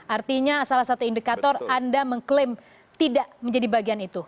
artinya salah satu indikator anda mengklaim tidak menjadi bagian itu